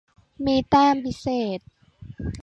มีแต้มพิเศษ.